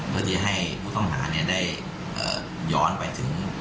เพื่อที่จะให้ผู้ต้องหาเนี่ยได้เอ่อย้อนไปถึง